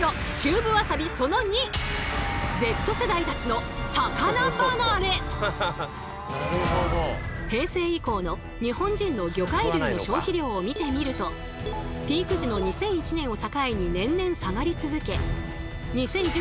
こうして１９８７年バブル期の本物志向に応えた平成以降の日本人の魚介類の消費量を見てみるとピーク時の２００１年を境に年々下がり続け